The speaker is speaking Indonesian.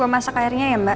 gue masak airnya ya mbak